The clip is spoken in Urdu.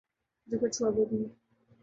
جو کچھ ہوا، وہ بھی